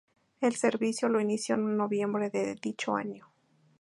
El servicio lo inició en noviembre de dicho año.